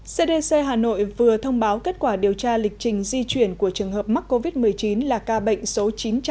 cdc hà nội vừa thông báo kết quả điều tra lịch trình di chuyển của trường hợp mắc covid một mươi chín là ca bệnh số chín trăm bảy mươi